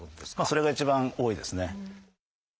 それが一番多いですね。